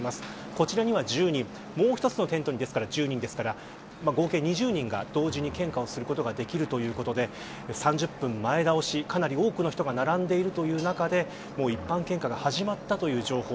こちらには１０人もう１つのテントに１０人ですから合計２０人が同時に献花をすることができるということで３０分前倒しかなり多くの人が並んでいるという中でもう一般献花が始まったという情報。